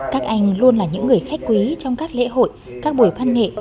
các anh luôn là những người khách quý trong các lễ hội các buổi văn nghệ